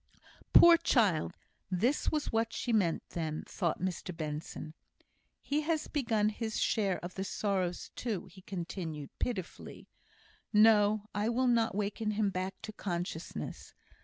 "Poor child! This was what she meant, then," thought Mr Benson. "He has begun his share of the sorrows too," he continued, pitifully. "No! I will not waken him back to consciousness."